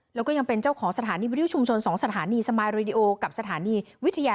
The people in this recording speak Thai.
แล้วก็ยังเป็นเจ้าของสถานีวิทยุชุมชน๒สถานีสมายริโอกับสถานีวิทยา